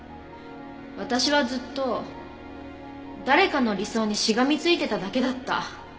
私はずっと誰かの理想にしがみついてただけだった。